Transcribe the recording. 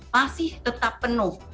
masih tetap penuh